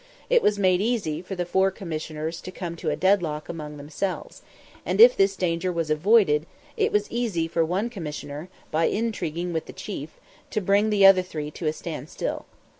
It was made easy for the four Commissioners to come to a deadlock among themselves; and if this danger was avoided, it was easy for one Commissioner, by intriguing with the Chief, to bring the other three to a standstill.